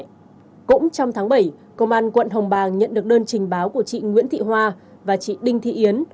cũng trong tháng bảy công an quận hồng bàng nhận được đơn trình báo của chị nguyễn thị hoa và chị đinh thị yến